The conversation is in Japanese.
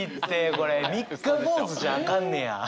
これ三日坊主じゃアカンねや？